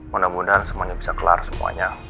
mudah mudahan semuanya bisa kelar semuanya